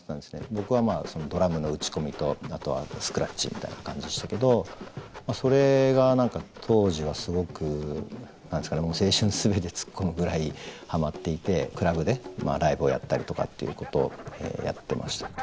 僕はドラムの打ち込みとあとはスクラッチみたいな感じでしたけどそれが何か当時はすごく青春全て突っ込むぐらいハマっていてクラブでライブをやったりとかっていうことをやってました。